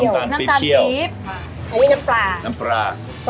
การแก่กายราโย๖๒๖๐